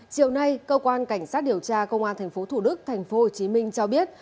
chiều nay cơ quan cảnh sát điều tra công an thành phố thủ đức tp hcm cho biết